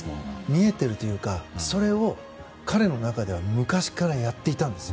見えているというか彼の中では昔からやっていたと。